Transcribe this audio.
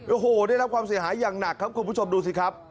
โอ้โหได้รับความเสียหายอย่างหนักครับคุณผู้ชมดูสิครับ